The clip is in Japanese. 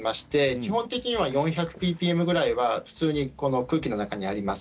基本的には４００ｐｐｍくらいは普通に空気の中にあります。